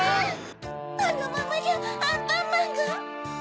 あのままじゃアンパンマンが。